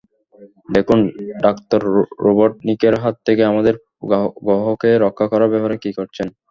দেখুন, ডাঃ রোবটনিকের হাত থেকে আমাদের গ্রহকে রক্ষা করার ব্যাপারে কী করছেন?